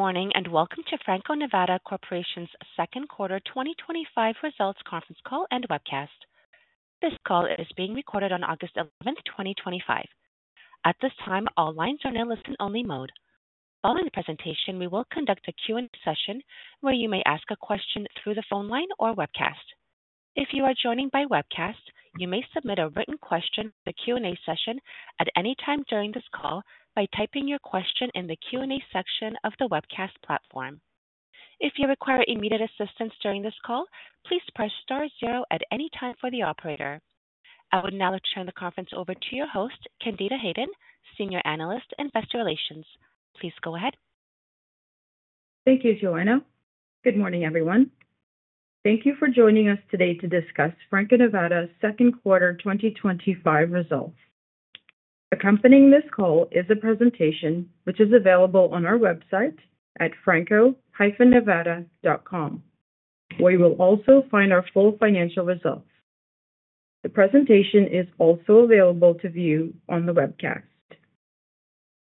Good morning and welcome to Franco-Nevada Corporation's Second Quarter 2025 Results Conference Call and Webcast. This call is being recorded on August 11, 2025. At this time, all lines are in a listen-only mode. Following the presentation, we will conduct a Q&A session where you may ask a question through the phone line or webcast. If you are joining by webcast, you may submit a written question in the Q&A session at any time during this call by typing your question in the Q&A section of the webcast platform. If you require immediate assistance during this call, please press star zero at any time for the operator. I will now turn the conference over to your host, Candida Hayden, Senior Analyst, Investor Relations. Please go ahead. Thank you, Joanna. Good morning, everyone. Thank you for joining us today to discuss Franco-Nevada's Second Quarter 2025 Results. Accompanying this call is a presentation which is available on our website at franco-nevada.com, where you will also find our full financial results. The presentation is also available to view on the webcast.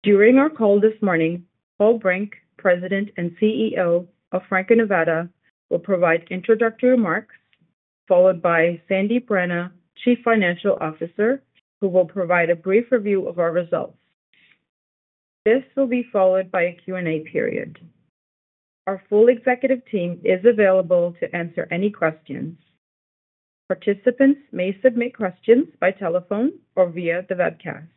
During our call this morning, Paul Brink, President and CEO of Franco-Nevada, will provide introductory remarks, followed by Sandip Rana, Chief Financial Officer, who will provide a brief review of our results. This will be followed by a Q&A period. Our full executive team is available to answer any questions. Participants may submit questions by telephone or via the webcast.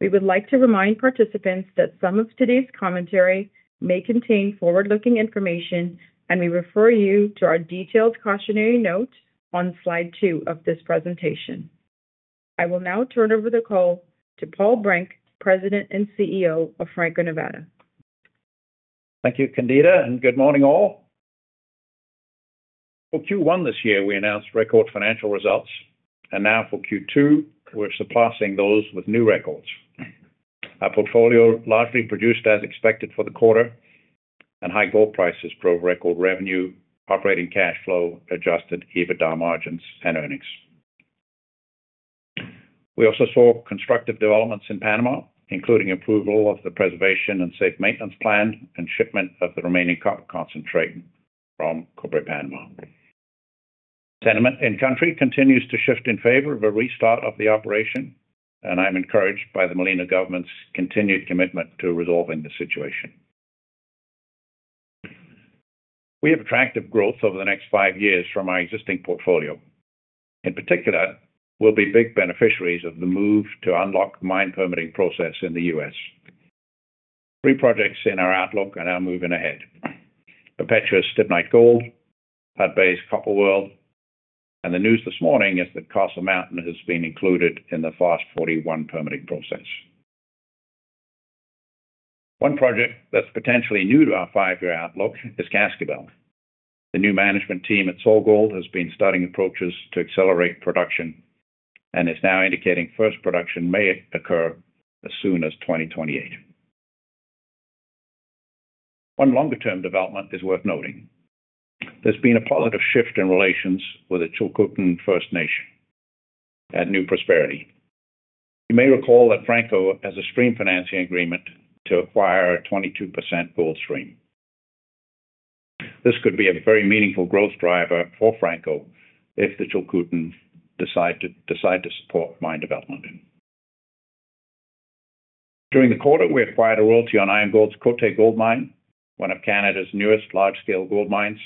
We would like to remind participants that some of today's commentary may contain forward-looking information, and we refer you to our detailed cautionary note on slide two of this presentation. I will now turn over the call to Paul Brink, President and CEO of Franco-Nevada. Thank you, Candida, and good morning all. For Q1 this year, we announced record financial results, and now for Q2, we're surpassing those with new records. Our portfolio largely produced as expected for the quarter, and high gold prices drove record revenue, operating cash flow, adjusted EBITDA margins, and earnings. We also saw constructive developments in Panama, including approval of the preservation and safe maintenance plan and shipment of the remaining concentrate from Cobre Panama. Sentiment in country continues to shift in favor of a restart of the operation, and I'm encouraged by the Molina government's continued commitment to resolving the situation. We have attractive growth over the next five years from our existing portfolio. In particular, we'll be big beneficiaries of the move to unlock the mine permitting process in the U.S. Three projects in our outlook are moving ahead. The Stibnite Gold, Hot-Bath Copper World, and the news this morning is that Castle Mountain has been included in the FAST-41 permitting process. One project that's potentially new to our five-year outlook is Cascabel. The new management team at SolGold has been starting approaches to accelerate production and is now indicating first production may occur as soon as 2028. One longer-term development is worth noting. There's been a positive shift in relations with the Tŝilhqot'in First Nation at New Prosperity. You may recall that Franco-Nevada has a stream financing agreement to acquire a 22% gold stream. This could be a very meaningful growth driver for Franco-Nevada if the Tŝilhqot'in decide to support mine development. During the quarter, we acquired a royalty on IAMGOLD's Côté Gold Mine, one of Canada's newest large-scale gold mines,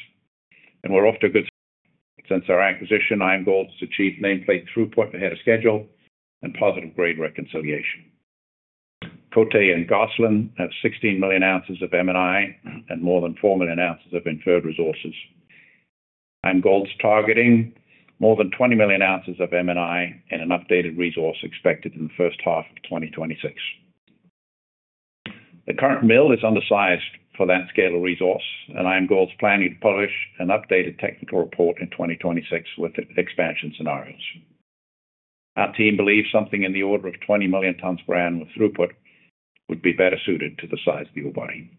and we're off to a good start since our acquisition. IAMGOLD has achieved nameplate throughput ahead of schedule and positive grade reconciliation. Côté and Gosselin have 16 million ounces of M&I and more than 4 million ounces of inferred resources. IAMGOLD's targeting more than 20 million ounces of M&I and an updated resource expected in the first half of 2026. The current mill is undersized for that scale of resource, and IAMGOLD's planning to publish an updated technical report in 2026 with expansion scenarios. Our team believes something in the order of 20 million tons per annum of throughput would be better suited to the size of the ore body.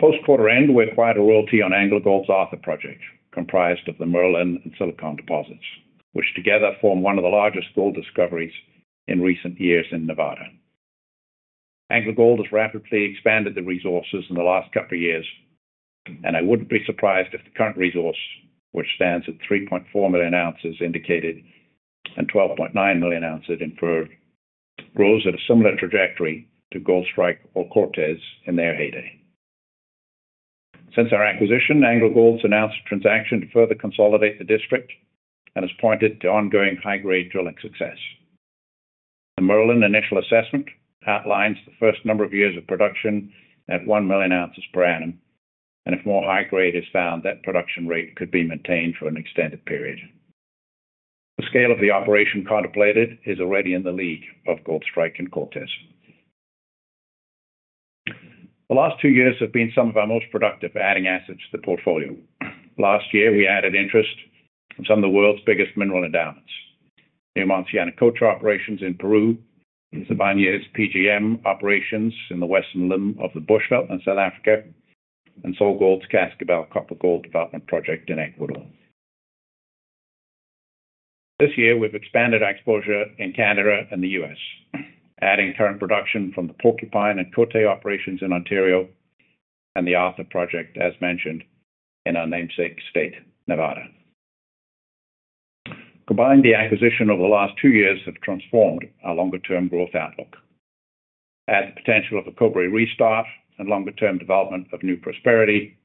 Post-quarter end, we acquired a royalty on AngloGold Ashanti's Arthur project, comprised of the Merlin and Silicon deposits, which together form one of the largest gold discoveries in recent years in Nevada. AngloGold Ashanti has rapidly expanded the resources in the last couple of years, and I wouldn't be surprised if the current resource, which stands at 3.4 million ounces indicated and 12.9 million ounces inferred, grows at a similar trajectory to Goldstrike or Cortez in their heyday. Since our acquisition, AngloGold Ashanti's announced a transaction to further consolidate the district and has pointed to ongoing high-grade drilling success. The Merlin initial assessment outlines the first number of years of production at 1 million ounces per annum, and if more high grade is found, that production rate could be maintained for an extended period. The scale of the operation contemplated is already in the league of Goldstrike and Cortez. The last two years have been some of our most productive adding assets to the portfolio. Last year, we added interest from some of the world's biggest mineral endowments. The Antamina and Cocha operations in Peru, the Bafokeng PGM operations in the Western Limb of the Bushveld in South Africa, and SolGold's Cascabel copper-gold development project in Ecuador. This year, we've expanded our exposure in Canada and the U.S., adding current production from the Porcupine and Côté operations in Ontario and the Arthur project, as mentioned, in our namesake state, Nevada. Combined, the acquisitions over the last two years have transformed our longer-term growth outlook. Add the potential of a Cobre Panama restart and longer-term development of New Prosperity,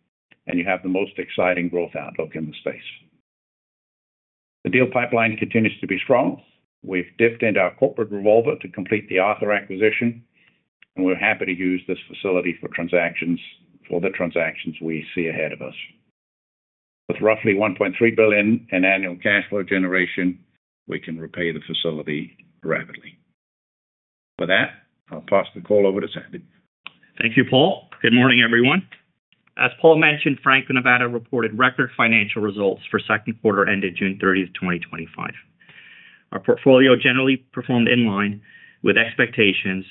and you have the most exciting growth outlook in the space. The deal pipeline continues to be strong. We've dipped into our corporate revolver to complete the Arthur acquisition, and we're happy to use this facility for the transactions we see ahead of us. With roughly $1.3 billion in annual cash flow generation, we can repay the facility rapidly. With that, I'll pass the call over to Sandip. Thank you, Paul. Good morning, everyone. As Paul mentioned, Franco-Nevada reported record financial results for the second quarter ended June 30, 2025. Our portfolio generally performed in line with expectations,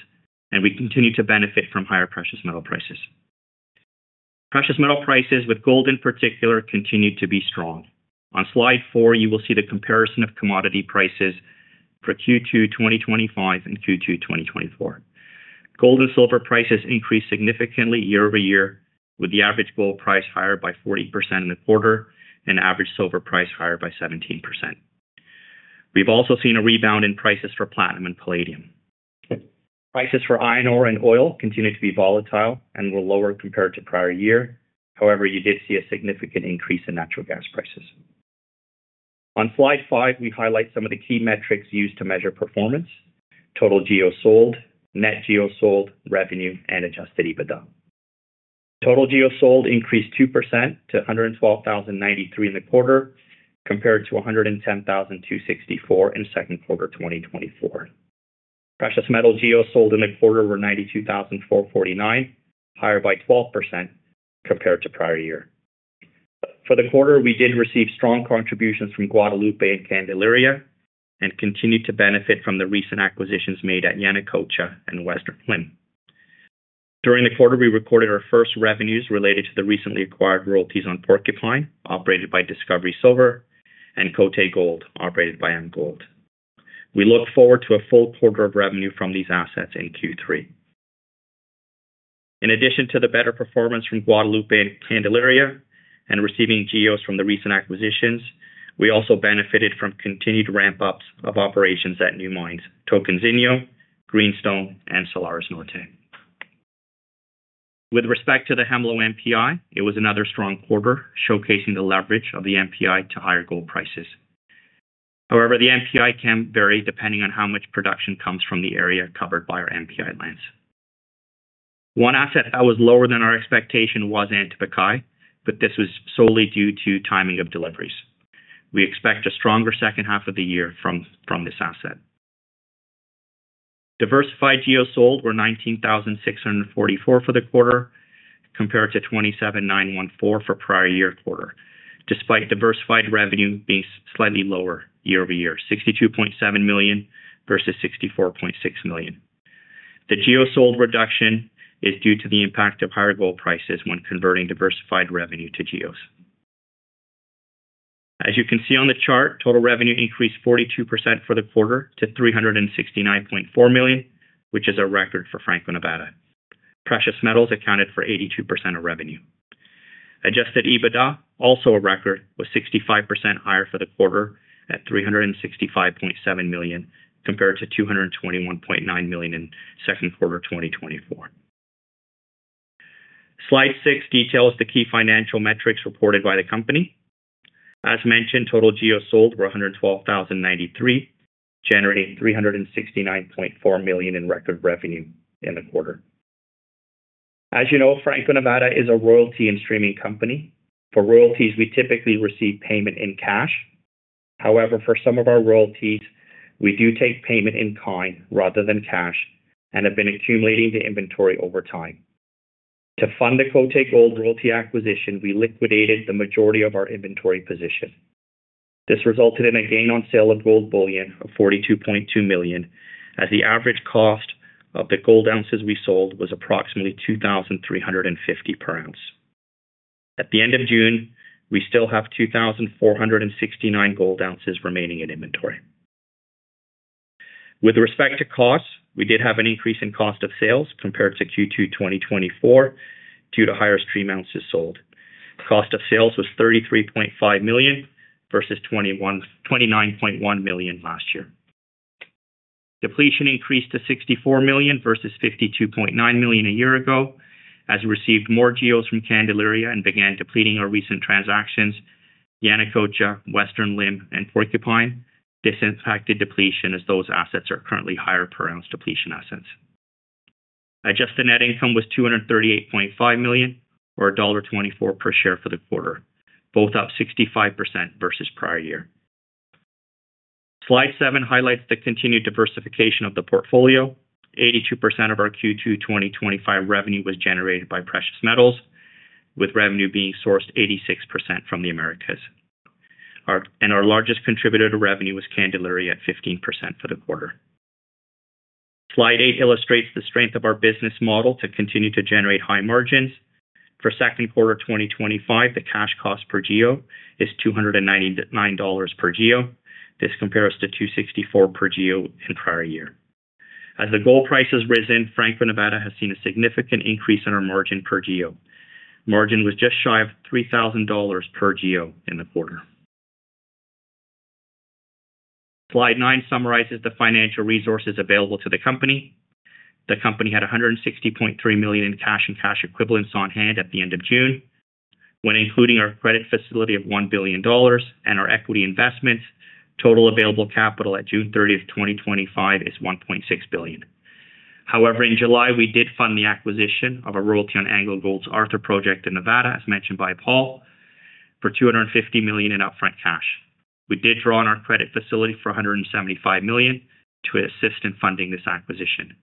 and we continue to benefit from higher precious metal prices. Precious metal prices, with gold in particular, continue to be strong. On slide four, you will see the comparison of commodity prices for Q2 2025 and Q2 2024. Gold and silver prices increased significantly year-over-year, with the average gold price higher by 40% in the quarter and the average silver price higher by 17%. We've also seen a rebound in prices for platinum and palladium. Prices for iron ore and oil continue to be volatile and were lower compared to the prior year. However, you did see a significant increase in natural gas prices. On slide five, we've highlighted some of the key metrics used to measure performance: total GEO sold, net GEO sold, revenue, and adjusted EBITDA. Total GEO sold increased 2% to 112,093 in the quarter compared to 110,264 in the second quarter 2024. Precious metal GEO sold in the quarter were 92,449, higher by 12% compared to the prior year. For the quarter, we did receive strong contributions from Guadalupe and Candelaria, and continued to benefit from the recent acquisitions made at Yanacocha and Western Limb. During the quarter, we recorded our first revenues related to the recently acquired royalties on Porcupine, operated by Discovery Silver, and Côté Gold, operated by IAMGOLD. We look forward to a full quarter of revenue from these assets in Q3. In addition to the better performance from Guadalupe and Candelaria and receiving GEOs from the recent acquisitions, we also benefited from continued ramp-ups of operations at new mines: Tokenzinho, Greenstone, and Solaris Militain. With respect to the Hemlo MPI, it was another strong quarter, showcasing the leverage of the MPI to higher gold prices. However, the MPI can vary depending on how much production comes from the area covered by our MPI lines. One asset that was lower than our expectation was Antapaccay, but this was solely due to timing of deliveries. We expect a stronger second half of the year from this asset. Diversified GEO sold were 19,644 for the quarter compared to 27,914 for the prior year quarter, despite diversified revenue being slightly lower year-over-year, $62.7 million versus $64.6 million. The GEO sold reduction is due to the impact of higher gold prices when converting diversified revenue to GEOs. As you can see on the chart, total revenue increased 42% for the quarter to $369.4 million, which is a record for Franco-Nevada. Precious metals accounted for 82% of revenue. Adjusted EBITDA, also a record, was 65% higher for the quarter at $365.7 million compared to $221.9 million in second quarter 2024. Slide six details the key financial metrics reported by the company. As mentioned, total GEOs sold were 112,093, generating $369.4 million in record revenue in the quarter. As you know, Franco-Nevada is a royalty and streaming company. For royalties, we typically receive payment in cash. However, for some of our royalties, we do take payment in kind rather than cash and have been accumulating the inventory over time. To fund the Côté Gold royalty acquisition, we liquidated the majority of our inventory position. This resulted in a gain on sale of gold bullion of $42.2 million, as the average cost of the gold ounces we sold was approximately $2,350 per ounce. At the end of June, we still have 2,469 gold ounces remaining in inventory. With respect to costs, we did have an increase in cost of sales compared to Q2 2024 due to higher stream ounces sold. Cost of sales was $33.5 million versus $29.1 million last year. Depletion increased to $64 million versus $52.9 million a year ago. As we received more GEOs from Candelaria and began depleting our recent transactions, Yanacocha, Western Limb, and Porcupine, this impacted depletion as those assets are currently higher per ounce depletion assets. Adjusted net income was $238.5 million, or $1.24 per share for the quarter, both up 65% versus prior year. Slide seven highlights the continued diversification of the portfolio. 82% of our Q2 2025 revenue was generated by precious metals, with revenue being sourced 86% from the Americas. Our largest contributor to revenue was Candelaria at 15% for the quarter. Slide eight illustrates the strength of our business model to continue to generate high margins. For second quarter 2025, the cash cost per GEO is $299 per GEO. This compares to $264 per GEO in prior year. As the gold price has risen, Franco-Nevada has seen a significant increase in our margin per GEO. Margin was just shy of $3,000 per GEO in the quarter. Slide nine summarizes the financial resources available to the company. The company had $160.3 million in cash and cash equivalents on hand at the end of June. When including our credit facility of $1 billion and our equity investments, total available capital at June 30, 2025 is $1.6 billion. However, in July, we did fund the acquisition of a royalty on AngloGold Ashanti's Arthur project in Nevada, as mentioned by Paul, for $250 million in upfront cash. We did draw on our credit facility for $175 million to assist in funding this acquisition.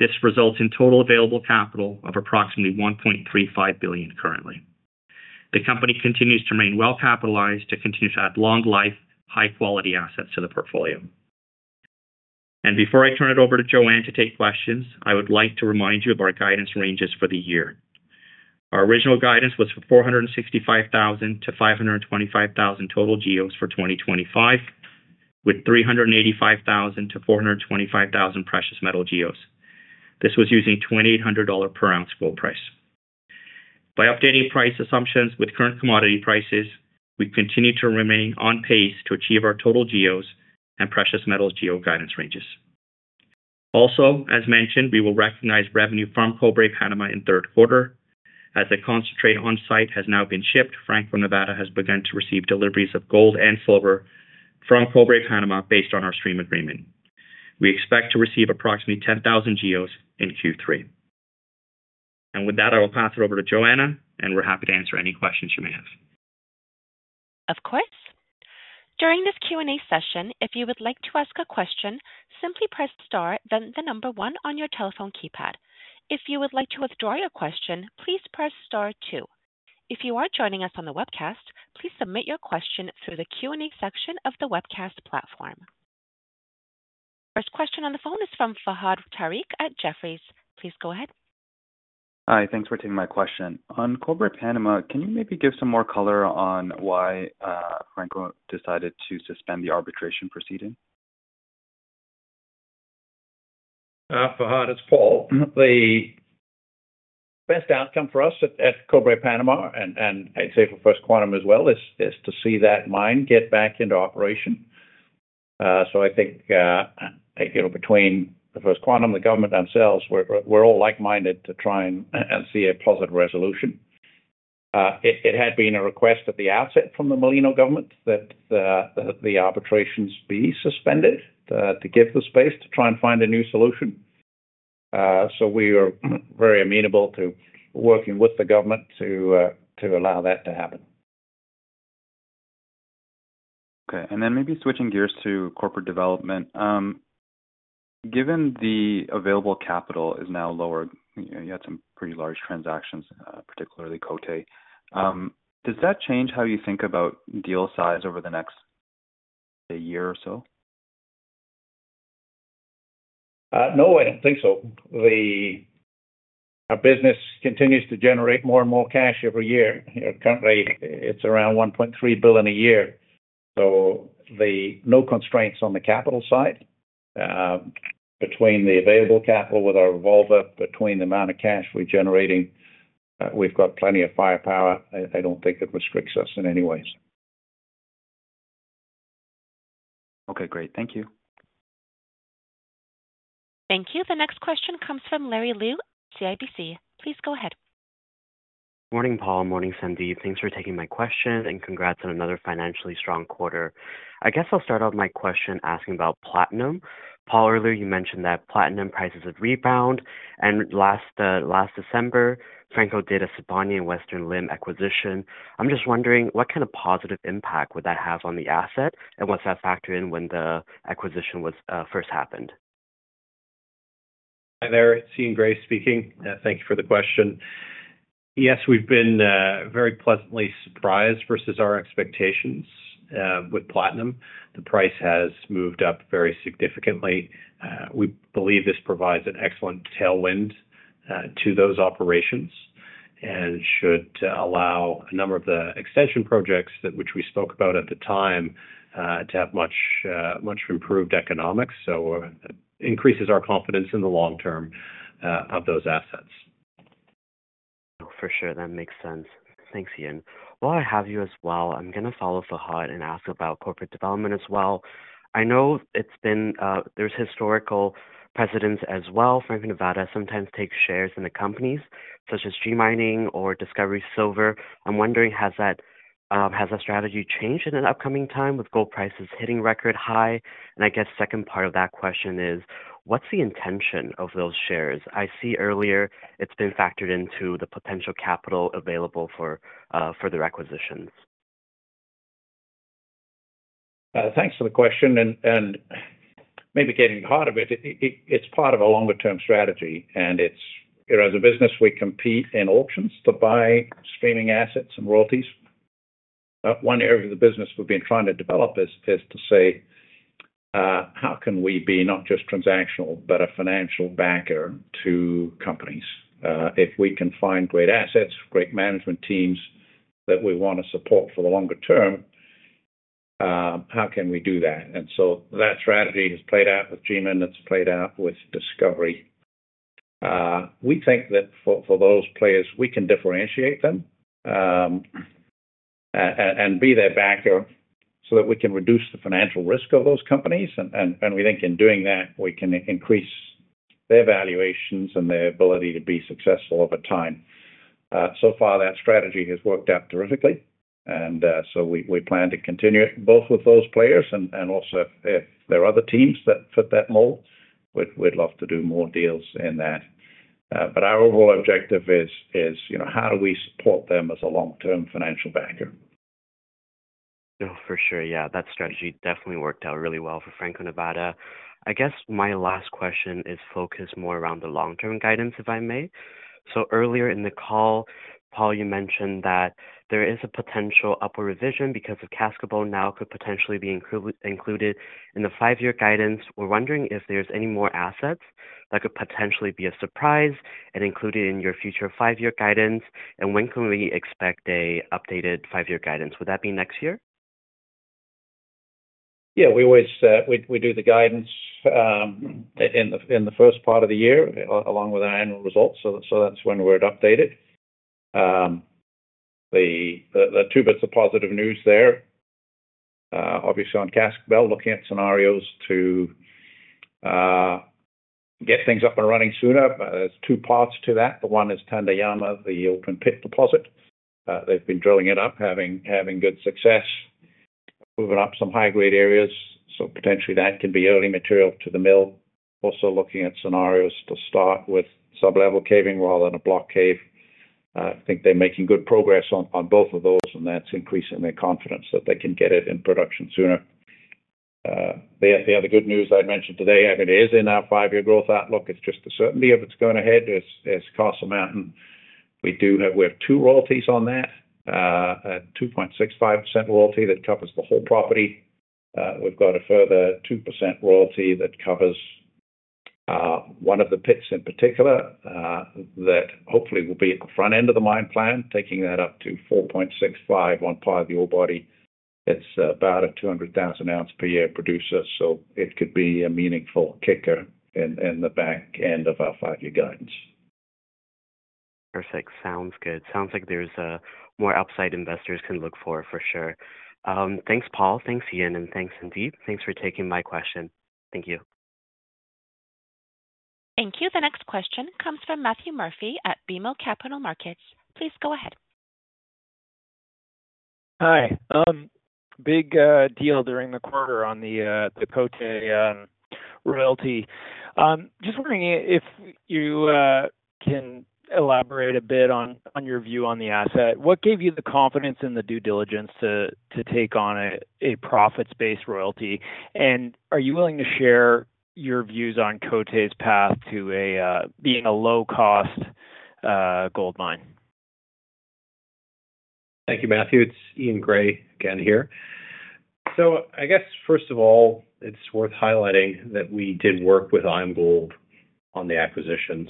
This results in total available capital of approximately $1.35 billion currently. The company continues to remain well capitalized to continue to add long-life, high-quality assets to the portfolio. Before I turn it over to Joanna to take questions, I would like to remind you of our guidance ranges for the year. Our original guidance was for 465,000-525,000 total GEOs for 2025, with 385,000-425,000 precious metal GEOs. This was using $2,800 per ounce gold price. By updating price assumptions with current commodity prices, we continue to remain on pace to achieve our total GEOs and precious metals GEO guidance ranges. Also, as mentioned, we will recognize revenue from Cobre Panama in third quarter. As the concentrate onsite has now been shipped, Franco-Nevada has begun to receive deliveries of gold and silver from Cobre Panama based on our stream agreement. We expect to receive approximately 10,000 GEOs in Q3. With that, I will pass it over to Joanna, and we're happy to answer any questions you may have. Of course. During this Q&A session, if you would like to ask a question, simply press star, then the number one on your telephone keypad. If you would like to withdraw your question, please press star two. If you are joining us on the webcast, please submit your question through the Q&A section of the webcast platform. First question on the phone is from Fahad Tariq at Jefferies. Please go ahead. Hi, thanks for taking my question. On Cobre Panama, can you maybe give some more color on why Franco-Nevada decided to suspend the arbitration proceeding? Fahad, it's Paul. The best outcome for us at Cobre Panama, and I'd say for First Quantum as well, is to see that mine get back into operation. I think, between First Quantum and the government themselves, we're all like-minded to try and see a positive resolution. It had been a request at the outset from the Molino government that the arbitrations be suspended to give the space to try and find a new solution. We are very amenable to working with the government to allow that to happen. Okay, and then maybe switching gears to corporate development. Given the available capital is now lower, you had some pretty large transactions, particularly Côté. Does that change how you think about deal size over the next year or so? No, I don't think so. Our business continues to generate more and more cash every year. At the current rate, it's around $1.3 billion a year. There are no constraints on the capital side. Between the available capital with our revolver and the amount of cash we're generating, we've got plenty of firepower. I don't think it restricts us in any way. Okay, great. Thank you. Thank you. The next question comes from Larry Liu, CIBC. Please go ahead. Morning, Paul. Morning, Sandip. Thanks for taking my question and congrats on another financially strong quarter. I guess I'll start out my question asking about platinum. Paul, earlier you mentioned that platinum prices have rebounded, and last December, Franco-Nevada did a Sibanye-Stillwater and Western Limb acquisition. I'm just wondering what kind of positive impact would that have on the asset and what's that factor in when the acquisition first happened? Hi there, it's Eaun Gray speaking. Thank you for the question. Yes, we've been very pleasantly surprised versus our expectations with platinum. The price has moved up very significantly. We believe this provides an excellent tailwind to those operations and should allow a number of the extension projects that we spoke about at the time to have much, much improved economics. It increases our confidence in the long term of those assets. For sure, that makes sense. Thanks, Ian. While I have you as well, I'm going to follow Fahad and ask about corporate development as well. I know it's been, there's historical precedents as well. Franco-Nevada sometimes takes shares in the companies such as G Mining Ventures or Discovery Silver. I'm wondering, has that strategy changed in an upcoming time with gold prices hitting record high? I guess the second part of that question is, what's the intention of those shares? I see earlier it's been factored into the potential capital available for further acquisitions. Thanks for the question. Maybe getting at the heart of it, it's part of a longer-term strategy. As a business, we compete in auctions to buy streaming assets and royalties. One area of the business we've been trying to develop is to say, how can we be not just transactional but a financial backer to companies? If we can find great assets, great management teams that we want to support for the longer term, how can we do that? That strategy has played out with G Mining Ventures, that's played out with Discovery Silver. We think that for those players, we can differentiate them and be their backer so that we can reduce the financial risk of those companies. We think in doing that, we can increase their valuations and their ability to be successful over time. That strategy has worked out terrifically. We plan to continue it both with those players and also if there are other teams that fit that mold, we'd love to do more deals in that. Our overall objective is, you know, how do we support them as a long-term financial backer? Oh, for sure. Yeah, that strategy definitely worked out really well for Franco-Nevada. I guess my last question is focused more around the long-term guidance, if I may. Earlier in the call, Paul, you mentioned that there is a potential upper revision because of Cobre Panama now could potentially be included in the five-year guidance. We're wondering if there's any more assets that could potentially be a surprise and included in your future five-year guidance. When can we expect an updated five-year guidance? Would that be next year? Yeah, we do the guidance in the first part of the year along with our annual results. That's when we're updated. The two bits of positive news there, obviously on Cascabel, looking at scenarios to get things up and running sooner. There's two parts to that. The one is Tandayama, the open pit deposit. They've been drilling it up, having good success, moving up some high-grade areas. Potentially that can be early material to the mill. Also looking at scenarios to start with sub-level caving rather than a block cave. I think they're making good progress on both of those, and that's increasing their confidence that they can get it in production sooner. The other good news I'd mention today, and it is in our five-year growth outlook, it's just the certainty of it's going ahead. It's Castle Mountain. We do have, we have two royalties on that, a 2.65% royalty that covers the whole property. We've got a further 2% royalty that covers one of the pits in particular that hopefully will be at the front end of the mine plan, taking that up to 4.65% on part of the old body. It's about a 200,000 ounce per year producer. It could be a meaningful kicker in the back end of our five-year guidance. Perfect. Sounds good. Sounds like there's more upside investors can look for for sure. Thanks, Paul. Thanks, Ian, and thanks, Sandip. Thanks for taking my question. Thank you. Thank you. The next question comes from Matthew Murphy at BMO Capital Markets. Please go ahead. Hi. Big deal during the quarter on the Côté royalty. Just wondering if you can elaborate a bit on your view on the asset. What gave you the confidence and the due diligence to take on a profits-based royalty? Are you willing to share your views on Côté's path to being a low-cost gold mine? Thank you, Matthew. It's Eaun Gray again here. First of all, it's worth highlighting that we did work with IAMGOLD on the acquisition.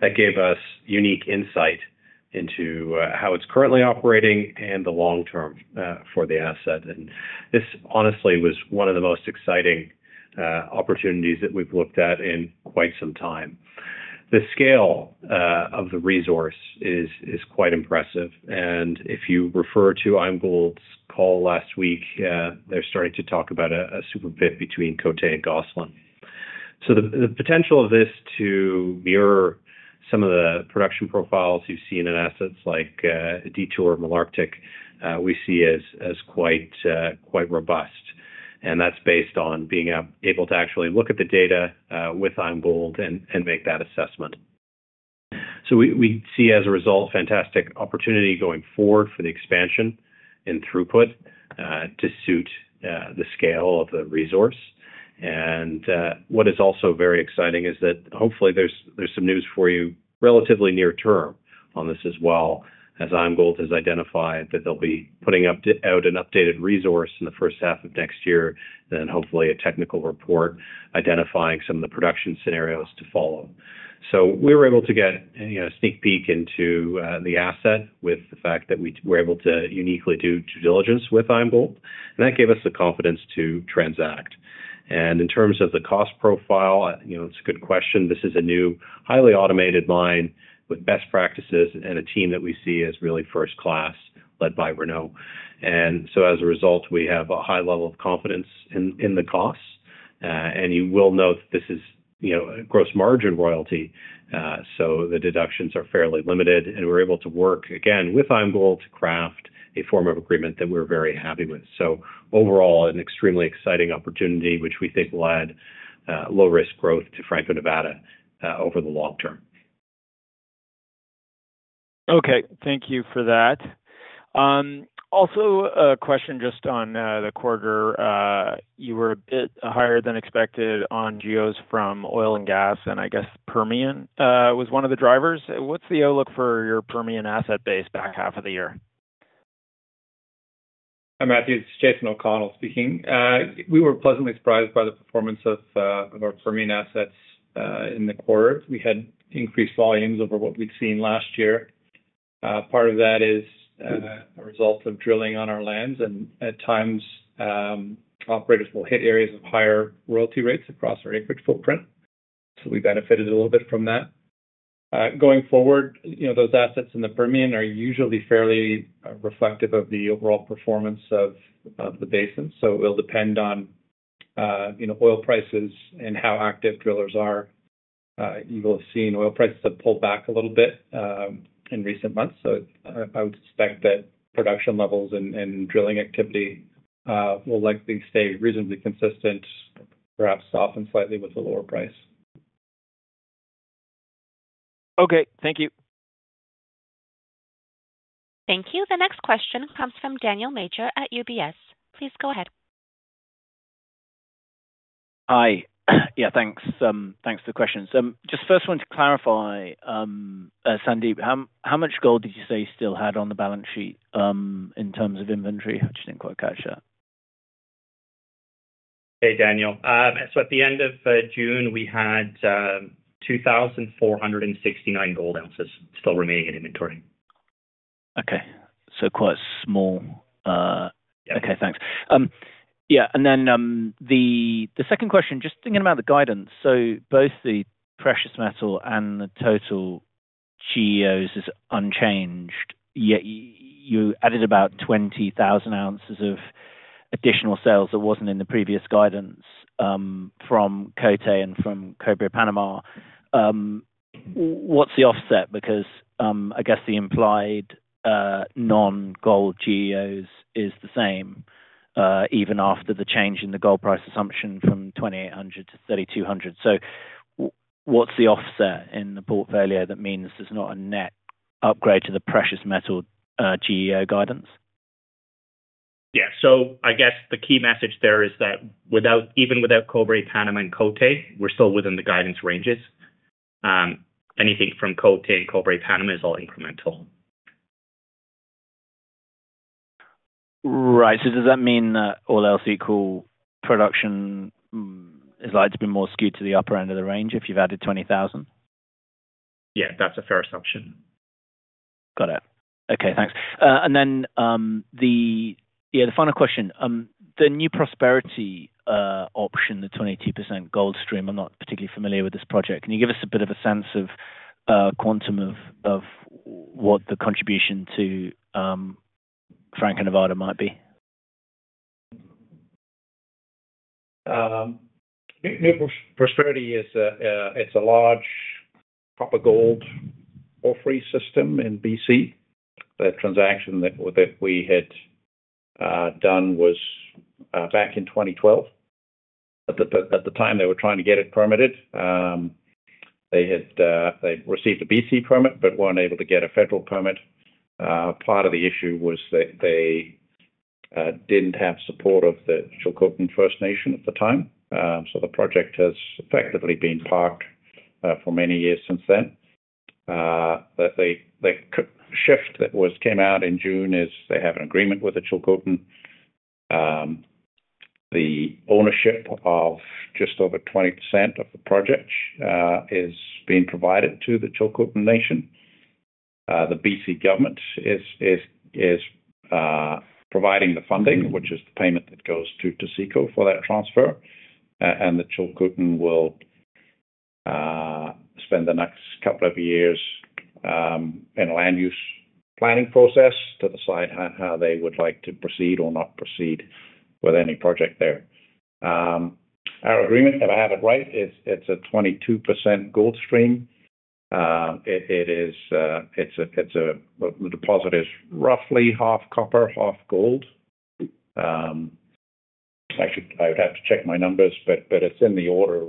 That gave us unique insight into how it's currently operating and the long term for the asset. This honestly was one of the most exciting opportunities that we've looked at in quite some time. The scale of the resource is quite impressive. If you refer to IAMGOLD's call last week, they're starting to talk about a super pit between Côté and Goslin. The potential of this to mirror some of the production profiles you've seen in assets like Detour and Malarctic, we see as quite robust. That's based on being able to actually look at the data with IAMGOLD and make that assessment. We see as a result, fantastic opportunity going forward for the expansion and throughput to suit the scale of the resource. What is also very exciting is that hopefully there's some news for you relatively near term on this as well, as IAMGOLD has identified that they'll be putting out an updated resource in the first half of next year, and hopefully a technical report identifying some of the production scenarios to follow. We were able to get a sneak peek into the asset with the fact that we were able to uniquely do due diligence with IAMGOLD. That gave us the confidence to transact. In terms of the cost profile, it's a good question. This is a new highly automated mine with best practices and a team that we see as really first class, led by Renault. As a result, we have a high level of confidence in the costs. You will note that this is a gross margin royalty. The deductions are fairly limited, and we're able to work again with IAMGOLD to craft a form of agreement that we're very happy with. Overall, an extremely exciting opportunity, which we think led low-risk growth to Franco-Nevada over the long term. Okay, thank you for that. Also, a question just on the quarter. You were a bit higher than expected on GEOs from oil and gas, and I guess Permian was one of the drivers. What's the outlook for your Permian asset base back half of the year? Matthew, it's Jason O'Connell speaking. We were pleasantly surprised by the performance of our Permian assets in the quarter. We had increased volumes over what we'd seen last year. Part of that is a result of drilling on our lands, and at times, operators will hit areas of higher royalty rates across our acreage footprint. We benefited a little bit from that. Going forward, those assets in the Permian are usually fairly reflective of the overall performance of the basin. It will depend on oil prices and how active drillers are. You will have seen oil prices have pulled back a little bit in recent months. I would suspect that production levels and drilling activity will likely stay reasonably consistent, perhaps off slightly with a lower price. Okay, thank you. Thank you. The next question comes from Daniel Major at UBS. Please go ahead. Hi. Thanks for the question. First, I want to clarify, Sandip, how much gold did you say you still had on the balance sheet in terms of inventory? I just didn't quite catch that. Hey, Daniel. At the end of June, we had 2,469 gold ounces still remaining in inventory. Okay, thanks. Yeah, and then the second question, just thinking about the guidance. Both the precious metal and the total GEOs is unchanged, yet you added about 20,000 ounces of additional sales that wasn't in the previous guidance from Côté and from Cobre Panama. What's the offset? I guess the implied non-gold GEOs is the same even after the change in the gold price assumption from $2,800-$3,200. What's the offset in the portfolio that means there's not a net upgrade to the precious metal GEO guidance? Yeah, I guess the key message there is that even without Cobre Panama and Côté, we're still within the guidance ranges. Anything from Côté and Cobre Panama is all incremental. Right, so does that mean that all else equal, production is likely to be more skewed to the upper end of the range if you've added 20,000? Yeah, that's a fair assumption. Got it. Okay, thanks. The final question, the New Prosperity option, the 22% gold stream, I'm not particularly familiar with this project. Can you give us a bit of a sense of quantum of what the contribution to Franco-Nevada might be? New Prosperity is a large copper-gold porphyry system in BC. The transaction that we had done was back in 2012. At the time, they were trying to get it permitted. They had received a BC permit but weren't able to get a federal permit. Part of the issue was that they didn't have support of the Tsilhqot'in First Nation at the time. The project has effectively been parked for many years since then. The shift that came out in June is they have an agreement with the Tsilhqot'in. The ownership of just over 20% of the project is being provided to the Tsilhqot'in Nation. The BC government is providing the funding, which is the payment that goes to Taseko for that transfer. The Tsilhqot'in will spend the next couple of years in a land use planning process to decide how they would like to proceed or not proceed with any project there. Our agreement, if I have it right, is it's a 22% gold stream. The deposit is roughly half copper, half gold. Actually, I would have to check my numbers, but it's in the order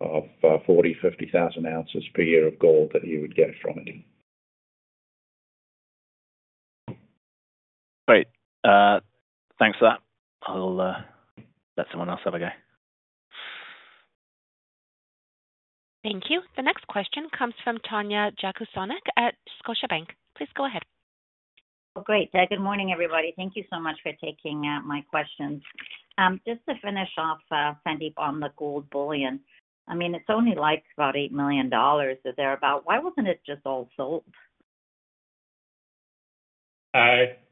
of 40,000, 50,000 ounces per year of gold that you would get from it. Great. Thanks for that. I'll let someone else have a go. Thank you. The next question comes from Tanya Jakusconek at Scotiabank. Please go ahead. Good morning, everybody. Thank you so much for taking my questions. Just to finish off, Sandip, on the gold bullion, I mean, it's only like about $8 million or thereabout. Why wasn't it just all sold?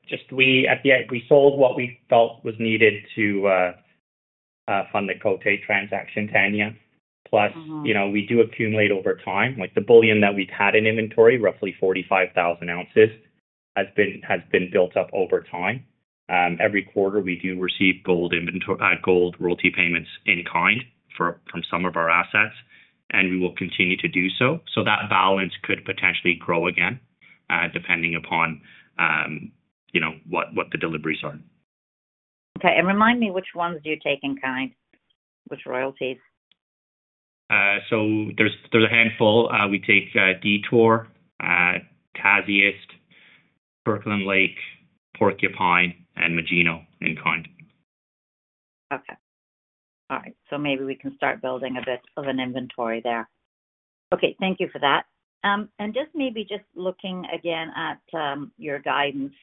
Just at the end, we sold what we thought was needed to fund the Côté transaction, Tanya. Plus, you know, we do accumulate over time. The bullion that we've had in inventory, roughly 45,000 ounces, has been built up over time. Every quarter, we do receive gold royalty payments in kind from some of our assets, and we will continue to do so. That balance could potentially grow again, depending upon, you know, what the deliveries are. Okay, remind me which ones do you take in kind, which royalties? There's a handful. We take Detour, Côté, Kirkland Lake, Porcupine, and Magino in kind. Okay. All right. Maybe we can start building a bit of an inventory there. Okay, thank you for that. Just maybe looking again at your guidance,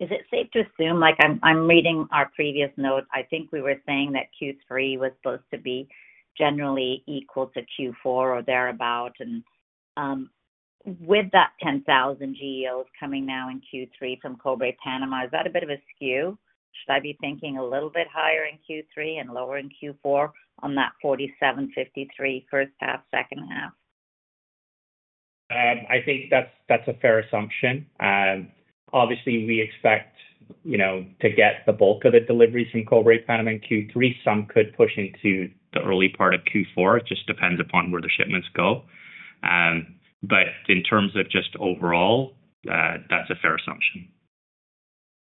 is it safe to assume, like I'm reading our previous note, I think we were saying that Q3 was supposed to be generally equal to Q4 or thereabout. With that 10,000 GEOs coming now in Q3 from Cobre Panama, is that a bit of a skew? Should I be thinking a little bit higher in Q3 and lower in Q4 on that 47%, 53% first half, second half? I think that's a fair assumption. Obviously, we expect to get the bulk of the deliveries from Cobre Panama in Q3. Some could push into the early part of Q4. It just depends upon where the shipments go. In terms of just overall, that's a fair assumption.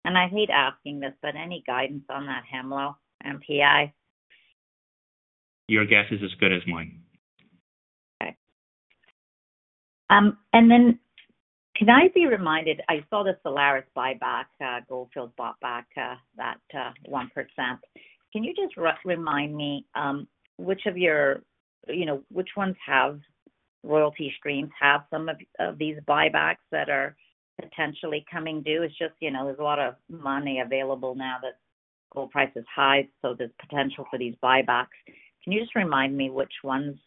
I hate asking this, but any guidance on that Hemlo MPI? Your guess is as good as mine. Okay. Can I be reminded, I saw the Solaris buyback, Goldfield bought back that 1%. Can you just remind me which of your, you know, which ones have royalty streams have some of these buybacks that are potentially coming due? It's just, you know, there's a lot of money available now that gold price is high, so there's potential for these buybacks. Can you just remind me which ones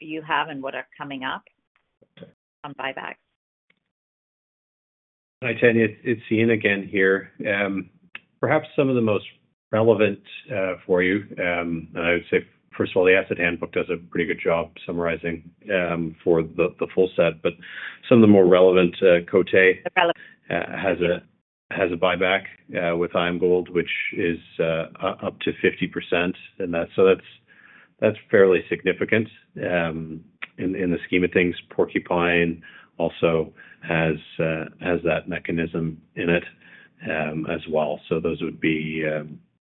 you have and what are coming up on buybacks? Hi, Tanya. It's Eaun again here. Perhaps some of the most relevant for you, I would say, first of all, the Asset Handbook does a pretty good job summarizing for the full set, but some of the more relevant, Côté Gold has a buyback with IAMGOLD, which is up to 50% in that. That's fairly significant in the scheme of things. Porcupine also has that mechanism in it as well. Those would be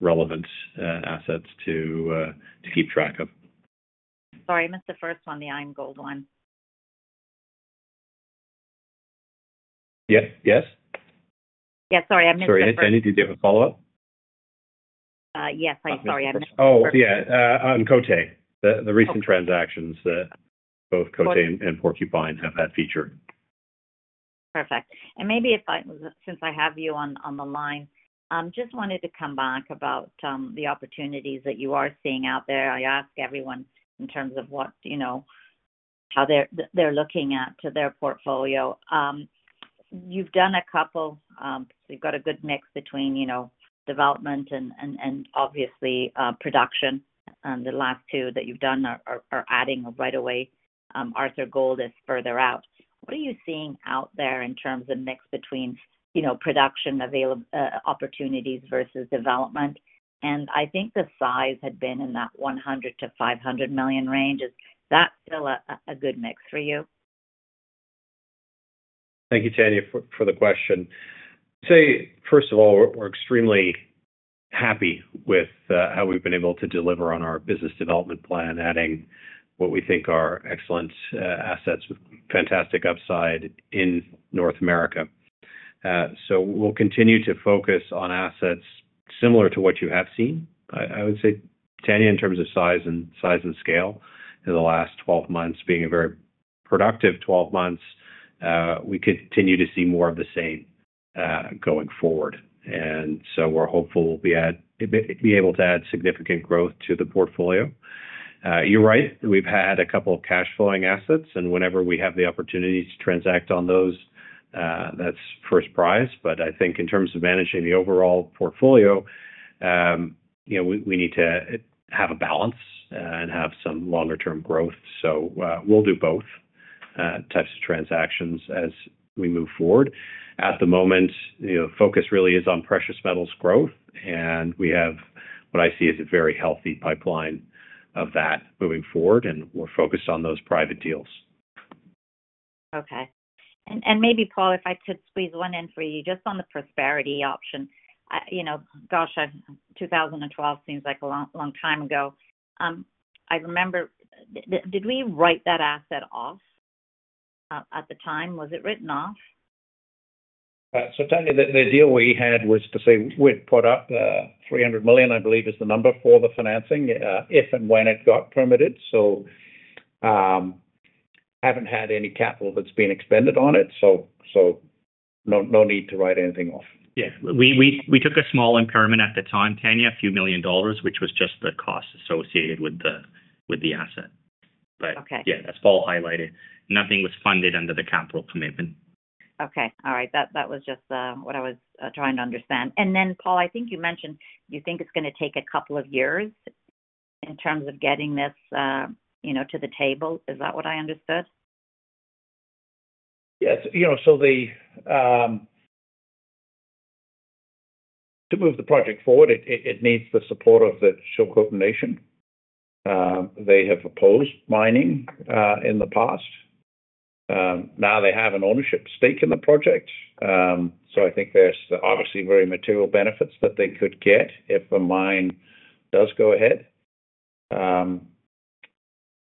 relevant assets to keep track of. Sorry, I missed the first one, the IAMGOLD one. Yeah, yes? Yeah, sorry, I missed that. Sorry, I need to do a follow-up. Yes, I'm sorry. Oh, yeah, on Côté, the recent transactions that both Côté and Porcupine have had featured. Perfect. Maybe if I, since I have you on the line, I just wanted to come back about the opportunities that you are seeing out there. I ask everyone in terms of what, you know, how they're looking at their portfolio. You've done a couple, you've got a good mix between, you know, development and obviously production. The last two that you've done are adding right away. Arthur project is further out. What are you seeing out there in terms of mix between, you know, production available opportunities versus development? I think the size had been in that $10 million-$500 million range. Is that still a good mix for you? Thank you, Tanya, for the question. First of all, we're extremely happy with how we've been able to deliver on our business development plan, adding what we think are excellent assets, fantastic upside in North America. We'll continue to focus on assets similar to what you have seen. I would say, Tanya, in terms of size and scale in the last 12 months, being a very productive 12 months, we continue to see more of the same going forward. We're hopeful we'll be able to add significant growth to the portfolio. You're right. We've had a couple of cash-flowing assets, and whenever we have the opportunity to transact on those, that's first prize. I think in terms of managing the overall portfolio, we need to have a balance and have some longer-term growth. We'll do both types of transactions as we move forward. At the moment, the focus really is on precious metals growth, and we have what I see as a very healthy pipeline of that moving forward, and we're focused on those private deals. Okay. Maybe, Paul, if I could squeeze one in for you, just on the New Prosperity option, you know, gosh, 2012 seems like a long time ago. I remember, did we write that asset off at the time? Was it written off? Tanya, the deal we had was to say we'd put up the $300 million, I believe is the number for the financing, if and when it got permitted. I haven't had any capital that's been expended on it, so no need to write anything off. Yeah, we took a small impairment at the time, Tanya, a few million dollars, which was just the cost associated with the asset. As Paul highlighted, nothing was funded under the capital commitment. Okay. All right. That was just what I was trying to understand. Paul, I think you mentioned you think it's going to take a couple of years in terms of getting this to the table. Is that what I understood? Yes. To move the project forward, it needs the support of the Chilkooten Nation. They have opposed mining in the past. Now they have an ownership stake in the project. I think there's obviously very material benefits that they could get if the mine does go ahead.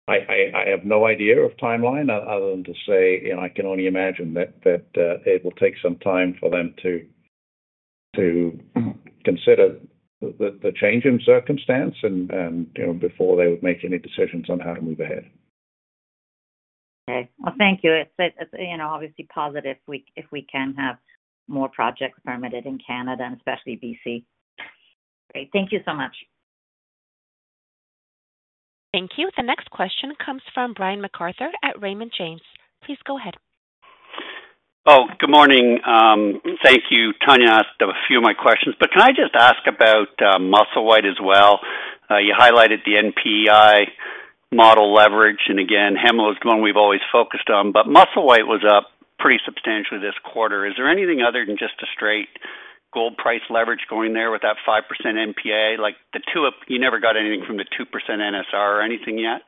I have no idea of timeline other than to say I can only imagine that it will take some time for them to consider the changing circumstance before they would make any decisions on how to move ahead. Thank you. It's obviously positive if we can have more projects permitted in Canada and especially BC. Great. Thank you so much. Thank you. The next question comes from Brian MacArthur at Raymond James. Please go ahead. Oh, good morning. Thank you, Tanya. I have a few of my questions, but can I just ask about Musselwhite as well? You highlighted the NPI model leverage, and again, Hemlo is the one we've always focused on, but Musselwhite was up pretty substantially this quarter. Is there anything other than just a straight gold price leverage going there with that 5% NPI? Like the two, you never got anything from the 2% NSR or anything yet?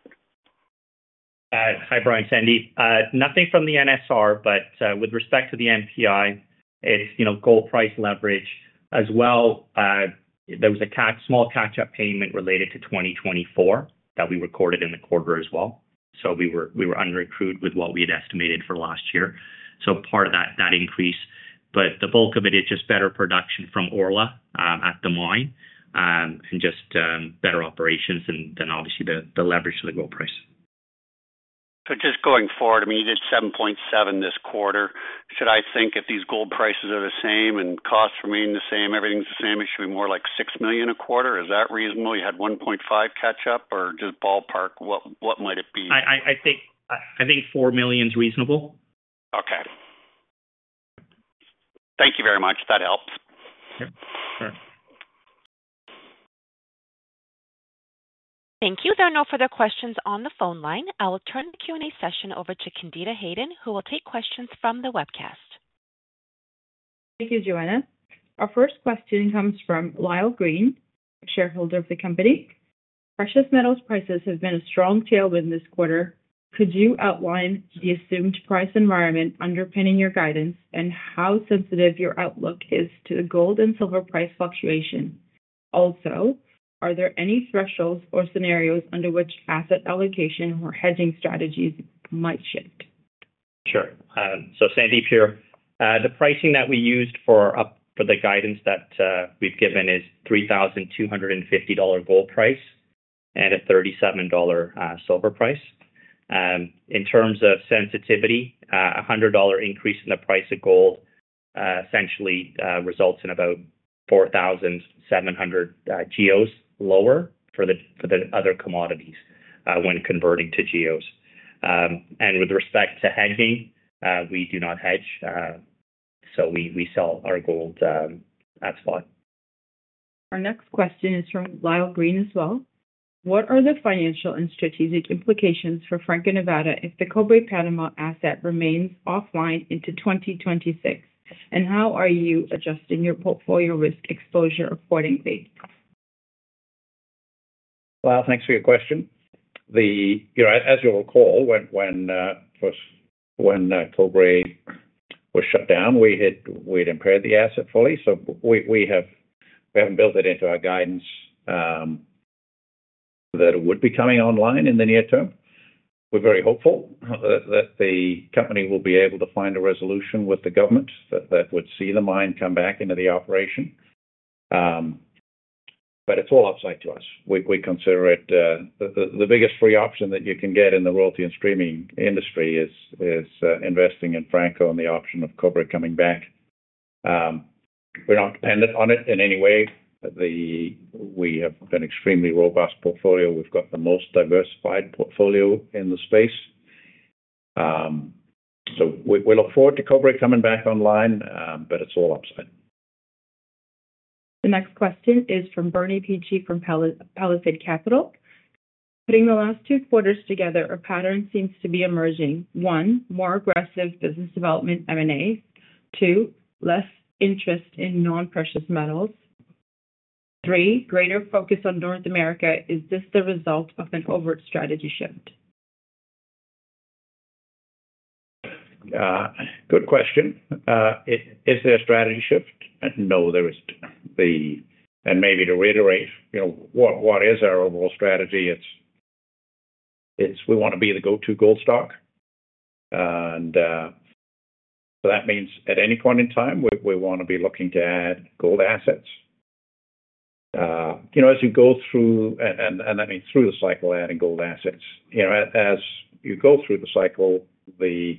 Hi, Brian. Sandip, nothing from the NSR, but with respect to the NPI, it's, you know, gold price leverage as well. There was a small catch-up payment related to 2024 that we recorded in the quarter as well. We were underaccrued with what we had estimated for last year. Part of that increase, but the bulk of it is just better production from Orla at the mine and just better operations and then obviously the leverage to the gold price. Just going forward, I mean, you did $7.7 million this quarter. Should I think if these gold prices are the same and costs remain the same, everything's the same, it should be more like $6 million a quarter? Is that reasonable? You had $1.5 million catch-up or just ballpark? What might it be? I think $4 million is reasonable. Okay, thank you very much. That helped. Thank you. There are no further questions on the phone line. I will turn the Q&A session over to Candida Hayden, who will take questions from the webcast. Thank you, Joanna. Our first question comes from Lyle Green, a shareholder of the company. Precious metals prices have been a strong tailwind this quarter. Could you outline the assumed price environment underpinning your guidance and how sensitive your outlook is to the gold and silver price fluctuation? Also, are there any thresholds or scenarios under which asset allocation or hedging strategies might shift? Sure. Sandip here, the pricing that we used for the guidance that we've given is $3,250 gold price and a $37 silver price. In terms of sensitivity, a $100 increase in the price of gold essentially results in about 4,700 GEOs lower for the other commodities when converting to GEOs. With respect to hedging, we do not hedge. We sell our gold at spot. Our next question is from Lyle Green as well. What are the financial and strategic implications for Franco-Nevada if the Cobre Panama asset remains offline into 2026? How are you adjusting your portfolio risk exposure accordingly? Thanks for your question. You know, as you'll recall, when Cobre Panama was shut down, we had impaired the asset fully. We haven't built it into our guidance that it would be coming online in the near term. We're very hopeful that the company will be able to find a resolution with the government that would see the mine come back into operation. It's all upside to us. We consider it the biggest free option that you can get in the royalty and streaming industry is investing in Franco-Nevada and the option of Cobre Panama coming back. We're not on it in any way. We have an extremely robust portfolio. We've got the most diversified portfolio in the space. We look forward to Cobre Panama coming back online, but it's all upside. The next question is from Bernie Peachy from Palisade Capital. Putting the last two quarters together, a pattern seems to be emerging. One, more aggressive business development M&A. Two, less interest in non-precious metals. Three, greater focus on North America. Is this the result of an overt strategy shift? Good question. Is there a strategy shift? No, there isn't. Maybe to reiterate, you know, what is our overall strategy? We want to be the go-to gold stock. That means at any point in time, we want to be looking to add gold assets. You know, as you go through, and I mean through the cycle of adding gold assets, as you go through the cycle, you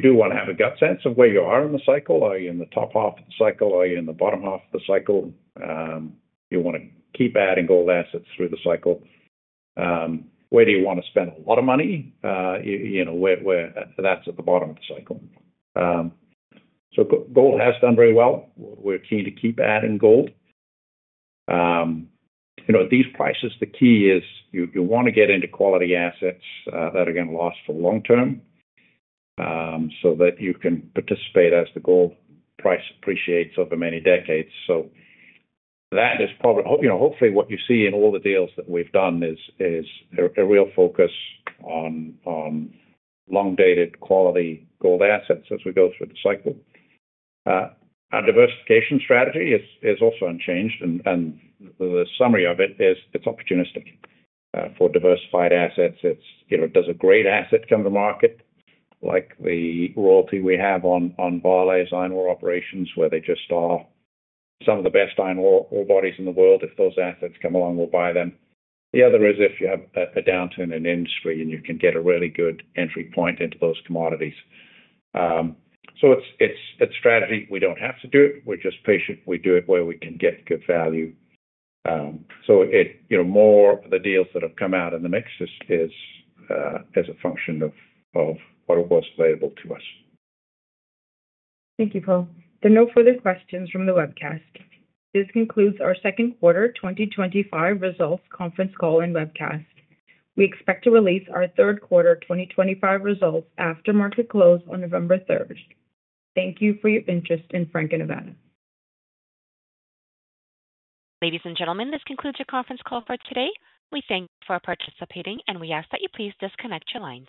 do want to have a gut sense of where you are in the cycle. Are you in the top half of the cycle? Are you in the bottom half of the cycle? You want to keep adding gold assets through the cycle. Where do you want to spend a lot of money? You know, where that's at the bottom of the cycle. Gold has done very well. We're keen to keep adding gold. At these prices, the key is you want to get into quality assets that are going to last for the long term so that you can participate as the gold price appreciates over many decades. That is probably, you know, hopefully what you see in all the deals that we've done is a real focus on long-dated quality gold assets as we go through the cycle. Our diversification strategy is also unchanged, and the summary of it is it's opportunistic for diversified assets. It's, you know, does a great asset come to market, like the royalty we have on Barley's iron ore operations, where they just are some of the best iron ore bodies in the world. If those assets come along, we'll buy them. The other is if you have a downturn in industry and you can get a really good entry point into those commodities. It's strategy. We don't have to do it. We're just patient. We do it where we can get good value. More of the deals that have come out in the mix is a function of what was available to us. Thank you, Paul. There are no further questions from the webcast. This concludes our Second Quarter 2025 Results Conference Call and Webcast. We expect to release our third quarter 2025 results after market close on November 3rd. Thank you for your interest in Franco-Nevada. Ladies and gentlemen, this concludes your conference call for today. We thank you for participating, and we ask that you please disconnect your lines.